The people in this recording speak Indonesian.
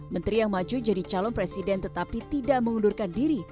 menteri yang maju jadi calon presiden tetapi tidak mengundurkan diri